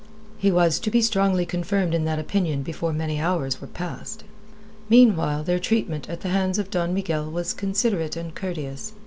He was to be strongly confirmed in that opinion before many hours were past. Meanwhile their treatment at the hands of Don Miguel was considerate and courteous.